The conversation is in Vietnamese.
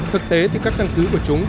thực tế thì các căn cứ của chúng chẳng có gì